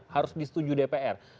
harus disetujui dpr